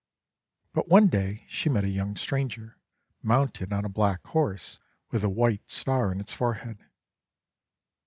But one day she met a young stranger, mounted on a black horse with a white star in its forehead.